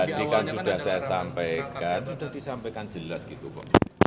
tadi kan sudah saya sampaikan sudah disampaikan jelas gitu kok